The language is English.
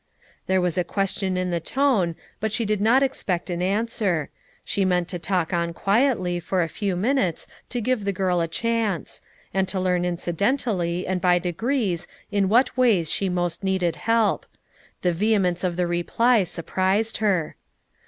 There was a question in the tone but she did not expect an answer; she meant to talk on quietly for a few minutes to give the girl a chance; and to learn incidentally and by de FOUK MOTHERS AT CHAUTAUQUA 85 grces in what ways she most needed help. The vehemence of the reply surprised her.